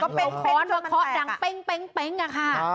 แล้วค้อนเคาะดังเป้งอะค่ะ